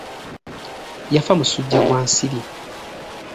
Yafa musujja gwa nsiri.